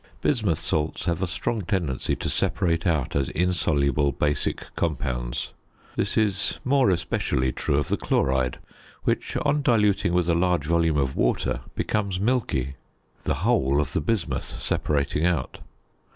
Bismuth salts have a strong tendency to separate out as insoluble basic compounds; this is more especially true of the chloride which, on diluting with a large volume of water, becomes milky; the whole of the bismuth separating out.